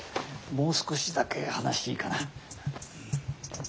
もう少しだけ話いいかな。